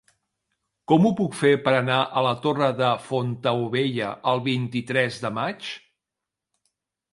Com ho puc fer per anar a la Torre de Fontaubella el vint-i-tres de maig?